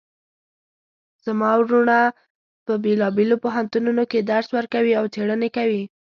زما وروڼه په بیلابیلو پوهنتونونو کې درس ورکوي او څیړنې کوی